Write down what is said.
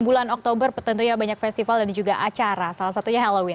bulan oktober tentunya banyak festival dan juga acara salah satunya halloween